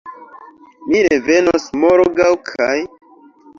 Mi revenos morgaŭ kaj